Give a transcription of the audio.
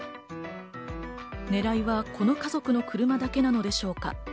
狙いはこの家族の車だけなのでしょうか？